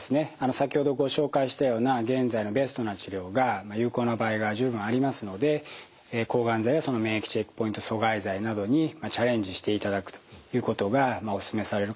先ほどご紹介したような現在のベストな治療が有効な場合が十分ありますので抗がん剤や免疫チェックポイント阻害剤などにチャレンジしていただくということがお勧めされるかと思います。